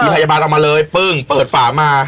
พยาบาลออกมาเลยปึ้งเปิดฝามา